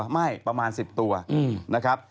ไม่ประมาณ๑๐ตัวนะครับ